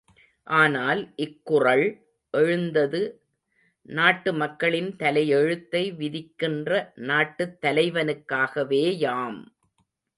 ஆனால், இக்குறள் எழுந்தது, நாட்டு மக்களின் தலையெழுத்தை விதிக்கின்ற நாட்டுத் தலைவனுக்காகவே யாம்.